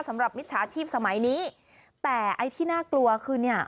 มิจฉาชีพสมัยนี้แต่ไอ้ที่น่ากลัวคือเนี่ย